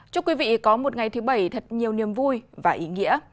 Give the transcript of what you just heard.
chúc quý vị có một ngày thứ bảy thật nhiều niềm vui và ý nghĩa